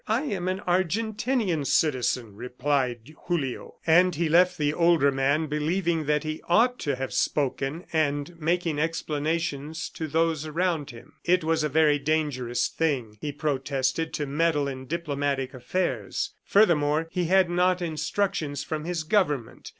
"I am an Argentinian citizen," replied Julio. And he left the older man believing that he ought to have spoken and making explanations to those around him. It was a very dangerous thing, he protested, to meddle in diplomatic affairs. Furthermore, he had not instructions from his government.